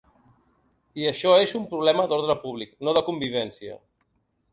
I això és un problema d’ordre públic, no de convivència.